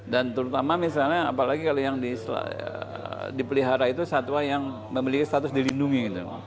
dan terutama apalagi kalau yang dipelihara itu satwa yang memiliki status dilindungi